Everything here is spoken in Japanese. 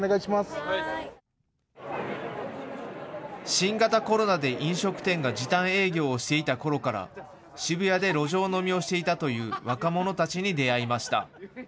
新型コロナで飲食店が時短営業をしていたころから渋谷で路上飲みをしていたという若者たちに出会いました。